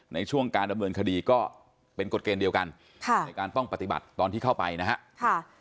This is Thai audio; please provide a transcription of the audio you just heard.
ในช่วงการดำเนินคดีก็เป็นกฎเกณฑ์เดียวกันในการต้องปฏิบัติตอนที่เข้าไปนะฮะ